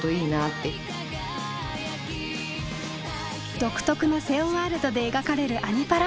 独特な瀬尾ワールドで描かれる「アニ×パラ」。